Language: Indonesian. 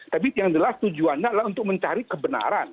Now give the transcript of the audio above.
tapi yang jelas tujuannya adalah untuk mencari kebenaran